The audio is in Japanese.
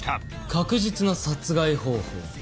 確実な殺害方法。